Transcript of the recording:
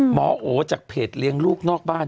โอจากเพจเลี้ยงลูกนอกบ้าน